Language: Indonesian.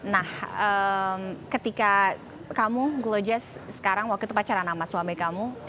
nah ketika kamu gloges sekarang waktu itu pacaran sama suami kamu